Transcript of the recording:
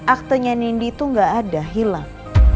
aktenya nindi itu gak ada hilang